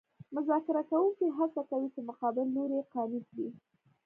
مذاکره کوونکي هڅه کوي چې مقابل لوری قانع کړي